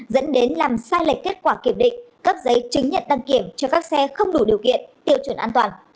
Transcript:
dẫn đến làm sai lệch kết quả kiểm định cấp giấy chứng nhận đăng kiểm cho các xe không đủ điều kiện tiêu chuẩn an toàn